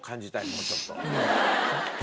もうちょっと。